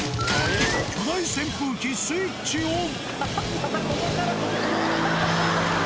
巨大扇風機スイッチオン。